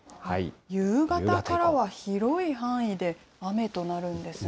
夕方からは広い範囲で雨となるんですね。